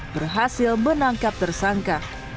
berhasil menangkap tersangka